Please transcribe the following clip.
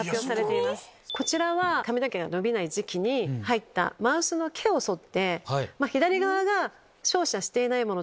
こちらは毛が伸びない時期に入ったマウスの毛をそって左側が照射していないもの。